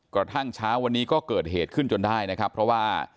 กระทั่งเช้าวันนี้ก็เกิดเหตุขึ้นจนได้นะครับเพราะว่า